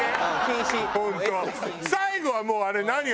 最後はもうあれ何？